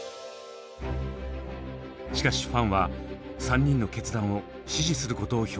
しかしファンは３人の決断を支持することを表明。